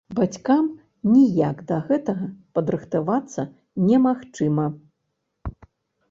Бацькам ніяк да гэтага падрыхтавацца немагчыма.